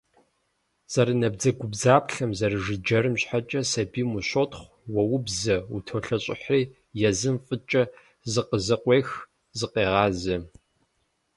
Зэрынабдзэгубдзаплъэм, зэрыжыджэрым щхьэкӀэ сабийм ущотхъу, уоубзэ, утолъэщӀыхьри, езым фӀыкӀэ зыкъызэкъуех, зыкъегъазэ.